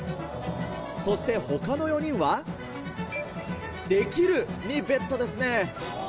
そして他の４人は「できる」にベットですね。